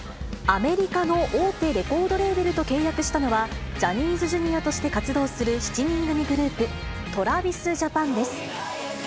アメリカの大手レコードレーベルと契約したのは、ジャニーズＪｒ．として活動する７人組グループ、トラヴィスジャパンです。